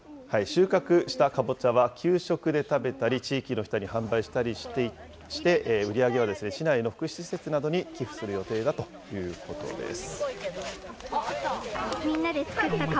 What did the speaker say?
収穫したかぼちゃは、給食で食べたり、地域の人に販売したりして、売り上げは市内の福祉施設などに寄付する予定だということです。